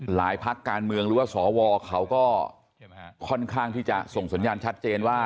พักการเมืองหรือว่าสวเขาก็ค่อนข้างที่จะส่งสัญญาณชัดเจนว่า